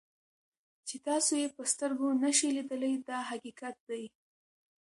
چې تاسو یې په سترګو نشئ لیدلی دا حقیقت دی.